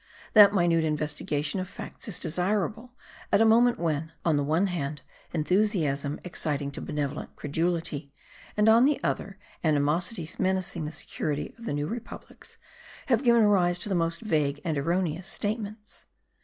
That minute investigation of facts is desirable at a moment when, on the one hand enthusiasm exciting to benevolent credulity, and on the other animosities menacing the security of the new republics, have given rise to the most vague and erroneous statements.